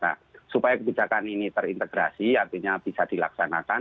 nah supaya kebijakan ini terintegrasi artinya bisa dilaksanakan